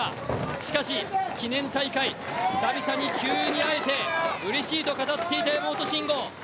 しかし、記念大会、久々に急に会えて、うれしいと語っていた山本進悟。